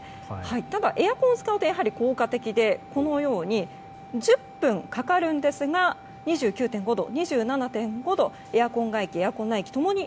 ただ、エアコンを使うとやはり効果的でこのように１０分かかるんですが２９．５度２７．５度とエアコン外気、内気共に